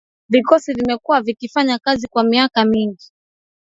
Vikosi vimekuwa vikifanya kazi kwa miaka mingi